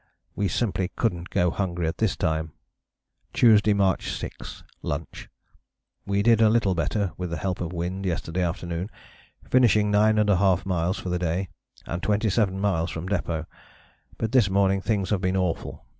We simply couldn't go hungry at this time." "Tuesday, March 6. Lunch. We did a little better with help of wind yesterday afternoon, finishing 9½ miles for the day, and 27 miles from depôt. But this morning things have been awful.